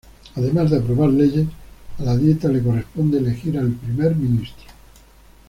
Además de aprobar leyes, a la Dieta le corresponde elegir al Primer Ministro.